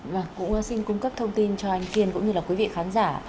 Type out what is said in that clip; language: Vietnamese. vâng cũng xin cung cấp thông tin cho anh kiên cũng như là quý vị khán giả